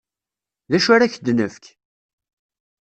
D acu ara ak-d-nefk?